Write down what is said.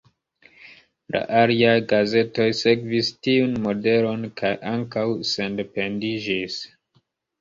La aliaj gazetoj sekvis tiun modelon kaj ankaŭ sendependiĝis.